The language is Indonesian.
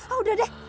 ah udah deh